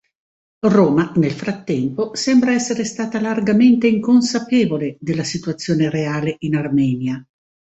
Roma, nel frattempo, sembra essere stata largamente inconsapevole della situazione reale in Armenia.